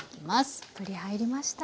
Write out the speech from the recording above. たっぷり入りました。